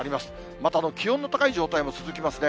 また気温の高い状態も続きますね。